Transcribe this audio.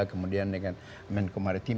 kemudian dengan menko maritim